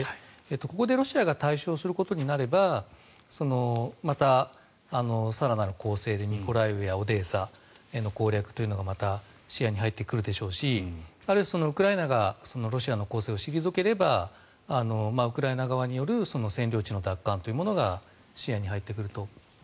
ここでロシアが大勝することになればまた更なる攻勢でミコライウやオデーサの攻略というのがまた視野に入ってくるでしょうしあるいはウクライナがロシアの攻勢を退ければウクライナ側による占領地の奪還が視野に入ってくると。